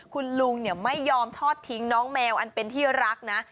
คุณลุงไม่ยอมทอดทิ้งน้องแมวอันเป็นที่รักนะ